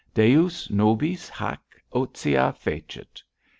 _Deus nobis haec otia fecit!